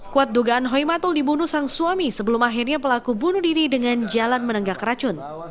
kuat dugaan hoymatul dibunuh sang suami sebelum akhirnya pelaku bunuh diri dengan jalan menenggak racun